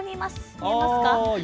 見えますか。